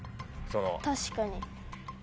確かに。